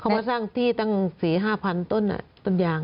เขามาสร้างที่ทั้งสี่ห้าพันต้นยาง